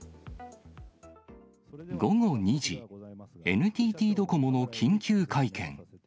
午後２時、ＮＴＴドコモの緊急会見。